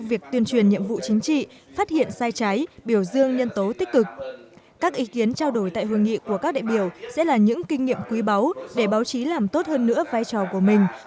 việc tuyên truyền nhiệm vụ chính trị phát hiện sai trái biểu dương nhân tố tích cực các ý kiến trao đổi tại hương nghị của các đại biểu sẽ là những kinh nghiệm quý báu để báo chí làm tốt hơn nữa vai trò của mình